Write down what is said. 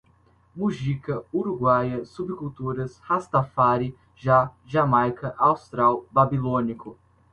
Mujica, uruguaia, subculturas, rastafári, Jah, Jamaica, austral, babilônico